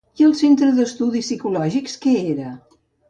I el Centre d'Estudis Psicològics què era?